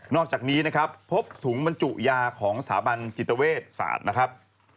อกจากนี้นะครับพบถุงบรรจุยาของสถาบันจิตเวชศาสตร์นะครับ